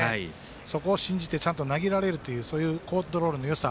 そこを信じて、ちゃんと投げれるそういうコントロールのよさ。